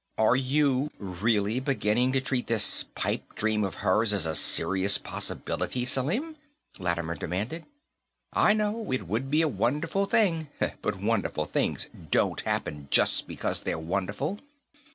"Are you really beginning to treat this pipe dream of hers as a serious possibility, Selim?" Lattimer demanded. "I know, it would be a wonderful thing, but wonderful things don't happen just because they're wonderful.